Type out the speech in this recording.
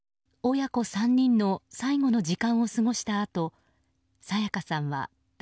親子３人の最後の時間を過ごしたあと沙也加さんはだ